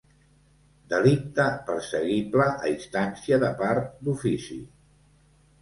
Delicte perseguible a instància de part, d'ofici.